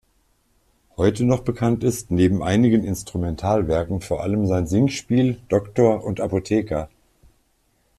Heute noch bekannt ist neben einigen Instrumentalwerken vor allem sein Singspiel "Doktor und Apotheker".